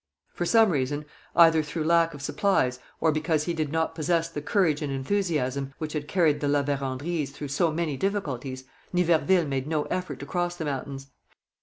For some reason, either through lack of supplies or because he did not possess the courage and enthusiasm which had carried the La Vérendryes through so many difficulties, Niverville made no effort to cross the mountains.